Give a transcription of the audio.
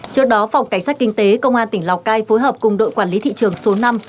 trước đó phòng cảnh sát kinh tế công an tỉnh lào cai phối hợp cùng đội quản lý thị trường số năm